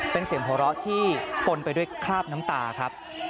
เป็นเสียงหัวเราะที่ปนไปด้วยคราบน้ำตาครับ